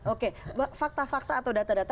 oke fakta fakta atau data data